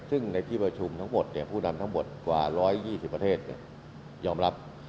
ซึ่งในที่ประชุมทั้งหมดผู้นำทั้งหมดกว่า๑๒๐ประเทศยอมรับ